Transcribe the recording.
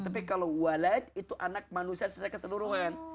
tapi kalau walat itu anak manusia secara keseluruhan